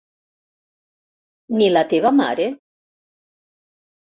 Ni la teva mare?